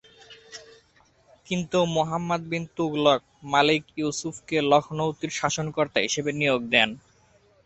কিন্তু মুহম্মদ বিন তুগলক মালিক ইউসুফকে লখনৌতির শাসনকর্তা হিসেবে নিয়োগ দেন।